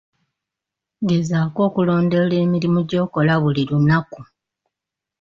Gezaako okulondoola emirimu gy'okola buli lunaku.